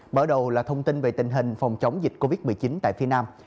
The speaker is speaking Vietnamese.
mở đầu là thông tin về tình hình phòng chống dịch covid một mươi chín tại phía nam